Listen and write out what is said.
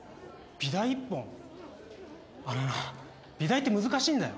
あのな美大って難しいんだよ。